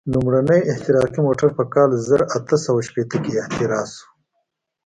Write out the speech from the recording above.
لومړنی احتراقي موټر په کال زر اته سوه شپېته کې اختراع شو.